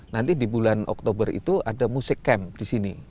nanti di bulan oktober itu ada musik camp di sini